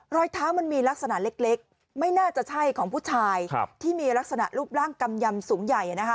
รอยเท้ามันมีลักษณะเล็กไม่น่าจะใช่ของผู้ชายที่มีลักษณะรูปร่างกำยำสูงใหญ่นะคะ